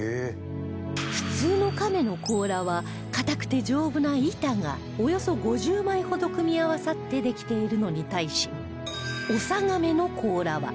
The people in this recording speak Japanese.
普通のカメの甲羅は硬くて丈夫な板がおよそ５０枚ほど組み合わさってできているのに対しオサガメの甲羅は